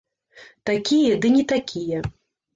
Такія, ды не такія.